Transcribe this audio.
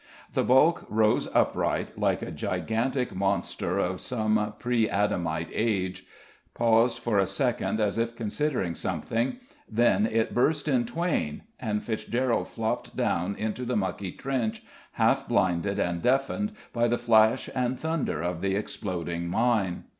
The bulk rose upright, like a gigantic monster of some pre Adamite age, paused for a second as if considering something, then it burst in twain, and Fitzgerald flopped down into the mucky trench, half blinded and deafened by the flash and thunder of the exploding mine.